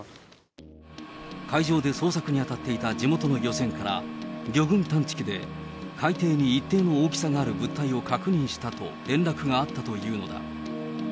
海上で捜索に当たっていた地元の漁船から魚群探知機で、海底に一定の大きさがある物体を確認したと、連絡があったというのだ。